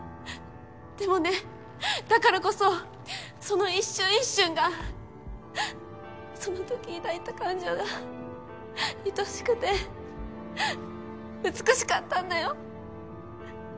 でもねだからこそその一瞬一瞬がそのとき抱いた感情は愛しくて美しかったんだよ。